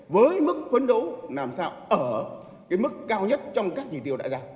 với mức phấn đấu làm sao ở cái mức cao nhất trong các chỉ tiêu đại gia